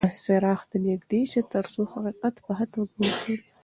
څراغ ته نږدې شه ترڅو حقیقت په ښه توګه وګورې.